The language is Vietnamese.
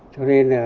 cho nên là